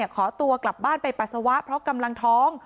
ขอตัวกลับบ้านไปปัสสาวะเพราะกำลังท้อง